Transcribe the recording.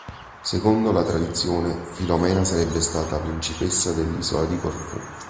Secondo la tradizione, Filomena sarebbe stata principessa dell'isola di Corfù.